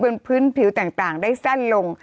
บนพื้นผิวต่างได้สั้นลง